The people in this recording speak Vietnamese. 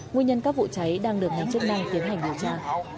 nguyên nhân các vụ cháy đang được ngành chức năng tiến hành điều tra